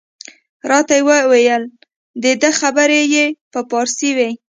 راته ویې ویل د ده خبرې په فارسي وې.